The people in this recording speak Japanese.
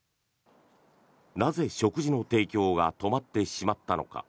なぜ、食事の提供が止まってしまったのか。